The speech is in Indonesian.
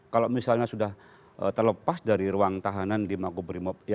kalau misalnya sudah terlepas dari ruang tahanan di makobrimob